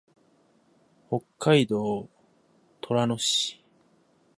北海道富良野市